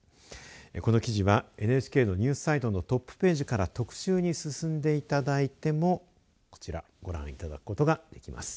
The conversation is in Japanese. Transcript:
この記事はＮＨＫのニュースサイトのトップページから特集に進んでいただいてもこちらご覧いただくことができます。